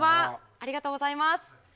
ありがとうございます。